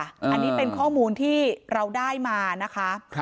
อันนี้เป็นข้อมูลที่เราได้มานะคะ